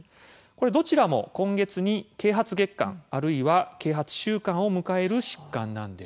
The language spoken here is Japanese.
どちらも今月に啓発月間あるいは啓発週間を迎える疾患なんです。